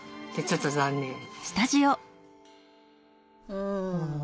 うん。